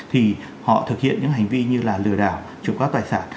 thì họ thực hiện những hành vi như là lừa đảo chụp các tài sản